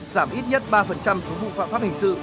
giảm ít nhất ba số vụ phạm pháp hình sự